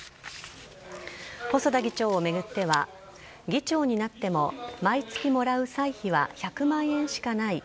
細田議長を巡っては議長になっても毎月もらう歳費は１００万円しかない。